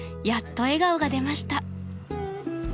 やっと笑顔が出ました］